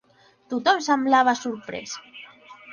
Tothom semblava sorprès.